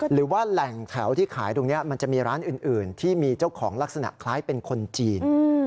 หรือว่าแหล่งแถวที่ขายตรงนี้มันจะมีร้านอื่นที่มีเจ้าของลักษณะคล้ายเป็นคนจีน